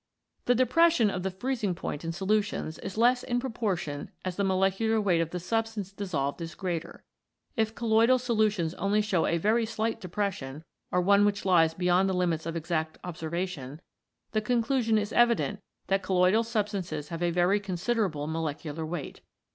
The depression of the freezing point in solutions is less in proportion as the molecular weight of the substance dissolved is greater. If colloidal solutions only show a very slight depression, or one which lies beyond the limits of exact observation, the conclusion is evident that colloidal substances have a very considerable molecular weight.